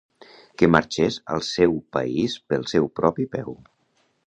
Que marxés al seu país pel seu propi peu